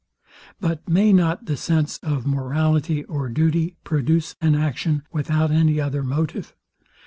But may not the sense of morality or duty produce an action, without any other motive?